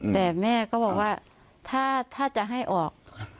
แต่แม่ก็บอกว่าถ้าจะให้ออก